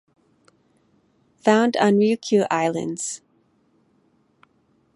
Found on Ryukyu Islands.